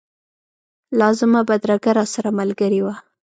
لازمه بدرګه راسره ملګرې وه.